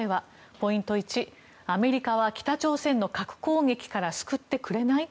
ポイント１、アメリカは北朝鮮の核攻撃から救ってくれない？